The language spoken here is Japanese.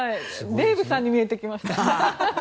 デーブさんに見えてきました。